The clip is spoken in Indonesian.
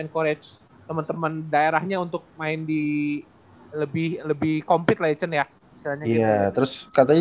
bisa encourage teman teman daerahnya untuk main di lebih lebih komplit lecen ya iya terus katanya